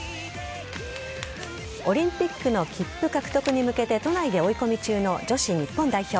オリンピックの切符獲得に向けて都内で追い込み中の女子日本代表。